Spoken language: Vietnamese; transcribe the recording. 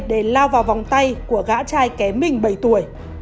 để lao vào vòng tay của gã trai kém mình bảy tuổi